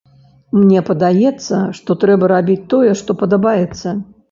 Мне падаецца, што трэба рабіць тое, што падабаецца.